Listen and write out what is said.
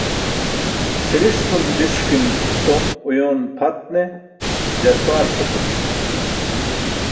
Cʰiriṣ cum diṣkim tom uyoon pʰat ne jarpaar pʰopus.